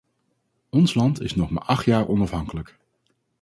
Ons land is nog maar acht jaar onafhankelijk.